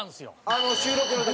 あの収録の時？